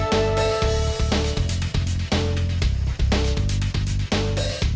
gua mau ke sana